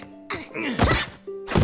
はっ！